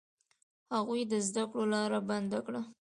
هغوی د زده کړو لاره بنده کړه.